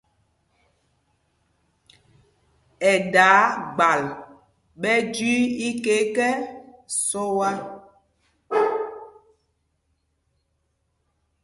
Ɛ daa gbal ɓɛ jüii iká ekɛ́ sɔa.